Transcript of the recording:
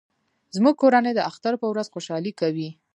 زموږ کورنۍ د اختر په ورځ خوشحالي کوي